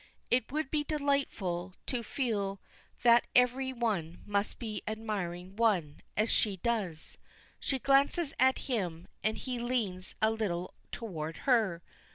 It would be delightful to feel that every one must be admiring one, as she does." She glances at him, and he leans a little toward her.